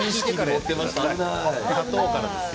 砂糖からですよ。